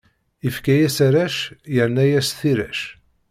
Ifka-yas arrac, irna-yas tirac.